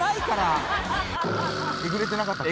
えぐれてなかったっけ？